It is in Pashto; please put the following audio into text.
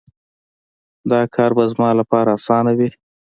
دا کار به زما لپاره اسانه وي